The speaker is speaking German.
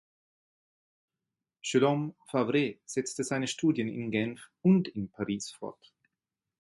Guillaume Favre setzte seine Studien in Genf und in Paris fort.